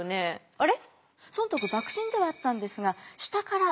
あれ？